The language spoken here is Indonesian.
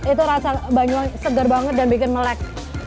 itu rasa banjol segar banget dan bikin melek